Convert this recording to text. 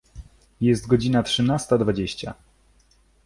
Jest godzina trzynasta dwadzieścia.